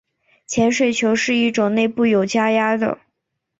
潜水球是一种内部有加压的。